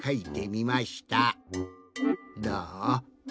どう？